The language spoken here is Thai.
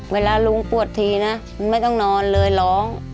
เวลาลุงปวดทีนะไม่ต้องนอนเลยร้อง